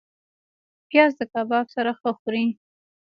پیاز د کباب سره ښه خوري